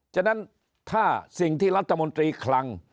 ฉะนั้นถ้าสิ่งที่รัฐมนตรีคลัง